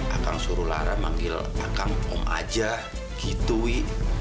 akang suruh lara manggil akang om aja gitu wi